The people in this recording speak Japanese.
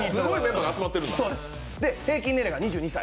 で、平均年齢が２２歳。